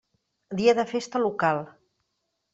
Dia de festa local.